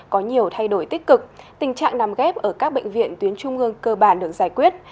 có nhiều thay đổi tích cực tình trạng nằm ghép ở các bệnh viện tuyến trung ương cơ bản được giải quyết